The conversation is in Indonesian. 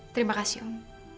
terima kasih om